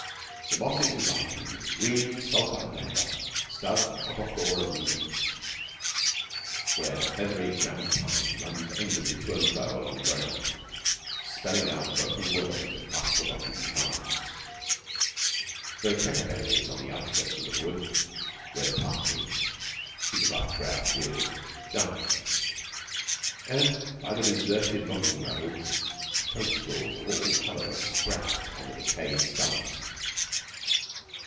The mosses and lichens, green, sulphur, and amber, stud the copper floor of needles, where the feathery ground pine runs aimlessly to and fro along the ground, spelling out broken words of half forgotten charms. There are checker berries on the outskirts of the wood, where the partridge (he is a ruffed grouse really) dines, and by the deserted logging roads toadstools of all colours sprout on the decayed stumps.